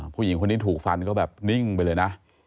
ผู้หญิงคนนี้ถูกฟันก็แบบนิ่งไปเลยนะ